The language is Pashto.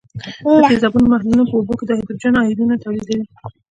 د تیزابونو محلولونه په اوبو کې هایدروجن آیونونه تولیدوي.